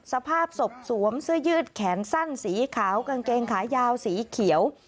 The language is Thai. สภาพศพสวมเสื้อยืดแขนสั้นสีขาวกางเกงขายาวสีเขียว